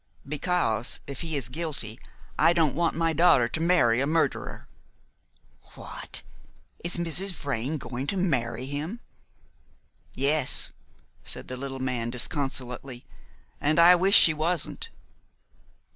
"Because if he is guilty, I don't want my daughter to marry a murderer." "What! Is Mrs. Vrain going to marry him?" "Yes," said the little man disconsolately, "and I wish she wasn't."